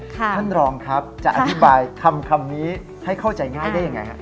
ท่านรองครับจะอธิบายคำนี้ให้เข้าใจง่ายได้ยังไงฮะ